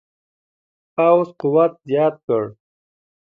پوځ قوت زیات کړ.